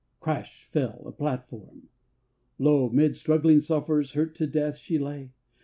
crash fell a platform! Lo, Mid struggling sufferers, hurt to death, she lay!